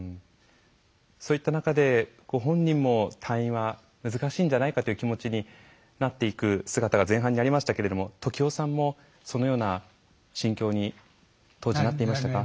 そういった中でご本人も退院は難しいんじゃないかという気持ちになっていく姿が前半にありましたけども時男さんもそのような心境に当時、なっていましたか？